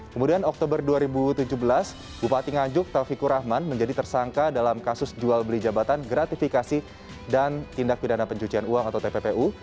kemudian oktober dua ribu tujuh belas bupati nganjuk taufikur rahman menjadi tersangka dalam kasus jual beli jabatan gratifikasi dan tindak pidana pencucian uang atau tppu